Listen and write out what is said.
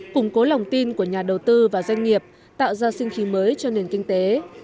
củng cố lòng tin của nhà đầu tư và doanh nghiệp tạo ra sinh khí mới cho nền kinh tế